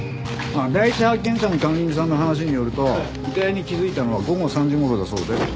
第一発見者の管理人さんの話によると遺体に気づいたのは午後３時頃だそうで。